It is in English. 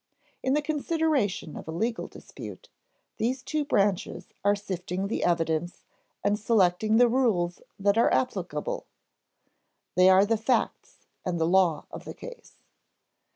In the consideration of a legal dispute, these two branches are sifting the evidence and selecting the rules that are applicable; they are "the facts" and "the law" of the case.